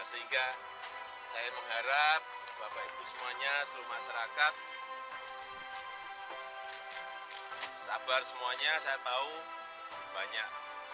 sehingga saya mengharap bapak ibu semuanya seluruh masyarakat sabar semuanya saya tahu banyak